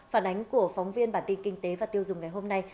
phản ánh của phóng viên bản tin kinh tế và tiêu dùng ngày hôm nay